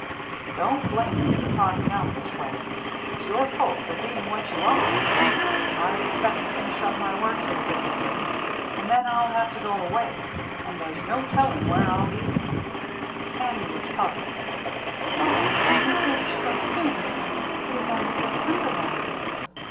Don't blame me for talking out this way. It's your fault for being what you are. I expect to finish up my work here pretty soon now, and then I'll have to go away, and there's no telling where I'll be." Annie was puzzled. " Oh, you finish so soon ? It is only Sep tember now."